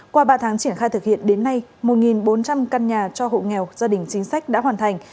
qua ba tháng triển khai thực hiện đến nay một bốn trăm linh căn nhà cho hộ nghèo gia đình chính sách đã hoàn thành